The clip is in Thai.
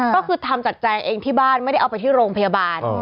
ก็คือทำจัดแจงเองที่บ้านไม่ได้เอาไปที่โรงพยาบาล